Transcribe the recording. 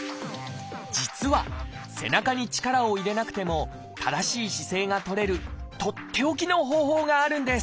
実は背中に力を入れなくても正しい姿勢がとれるとっておきの方法があるんです。